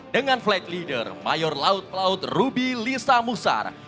dengan flag leader mayor laut pelaut ruby lisa musar